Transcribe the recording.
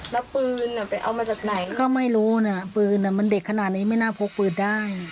แล้วปืนไปเอามาจากไหนก็ไม่รู้นะปืนมันเด็กขนาดนี้ไม่น่าพกปืนได้